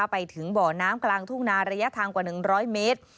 ไปถึงบ่อน้ำกลางทุ่งนาระยะทางกว่า๑๐๐เมตร